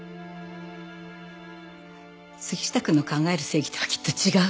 杉下くんの考える正義とはきっと違うわね。